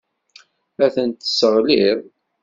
Ad tent-tesseɣliḍ.